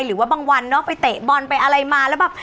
หรือว่าบางวันเนาะไปเตะบอลไปอะไรมาแล้วแบบ